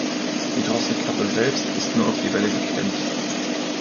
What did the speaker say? Die Drosselklappe selbst ist nur auf die Welle geklemmt.